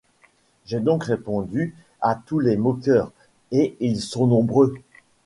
J'ai donc rompu avec tous les moqueurs, et ils sont nombreux.